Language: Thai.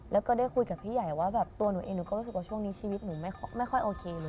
แล้วก็ได้คุยกับพี่ใหญ่ว่าแบบตัวหนูเองหนูก็รู้สึกว่าช่วงนี้ชีวิตหนูไม่ค่อยโอเคเลย